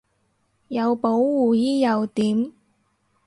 有保護衣又點